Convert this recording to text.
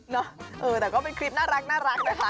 เออแต่ก็เป็นคลิปน่ารักนะคะ